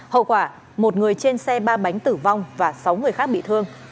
hậu quả một người trên xe ba bánh tử vong và sáu người khác bị thương